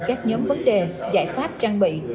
các nhóm vấn đề giải pháp trang bị